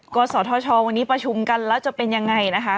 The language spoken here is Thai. ศธชวันนี้ประชุมกันแล้วจะเป็นยังไงนะคะ